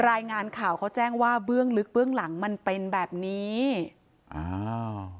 รายงานข่าวเขาแจ้งว่าเบื้องลึกเบื้องหลังมันเป็นแบบนี้อ่า